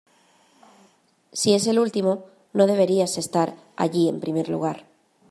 Si es el último, no deberías estar allí en primer lugar".